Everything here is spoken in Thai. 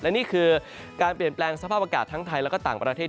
และนี่คือการเปลี่ยนแปลงสภาพอากาศทั้งไทยและก็ต่างประเทศ